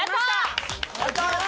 やったー！